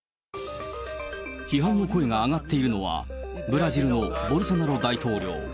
批判の声が上がっているのは、ブラジルのボルソナロ大統領。